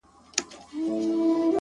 د ځوانيمرگ د هر غزل په سترگو کي يم!!